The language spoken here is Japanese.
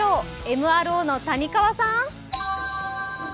ＭＲＯの谷川さん。